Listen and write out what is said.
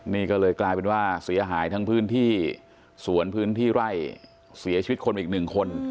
นี่ก็เลยกลายเป็นว่าเสียหายทั้งพื้นที่สวนพื้นที่ไร่เสียชีวิตคนอีกหนึ่งคน